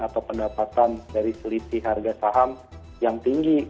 atau pendapatan dari selisih harga saham yang tinggi